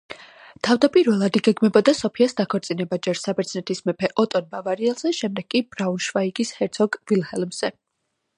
თავდაპირველად იგეგმებოდა სოფიას დაქორწინება ჯერ საბერძნეთის მეფე ოტონ ბავარიელზე, შემდეგ კი ბრაუნშვაიგის ჰერცოგ ვილჰელმზე.